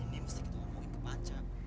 ini mesti gitu mungkin ke panca